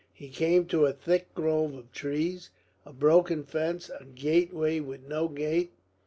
He came to a thick grove of trees, a broken fence, a gateway with no gate.